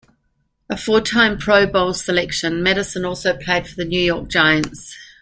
A four-time Pro Bowl selection, Madison also played for the New York Giants.